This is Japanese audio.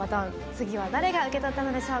次は誰が受け取ったのでしょうか。